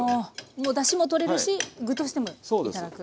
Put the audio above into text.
もうだしもとれるし具としても頂く。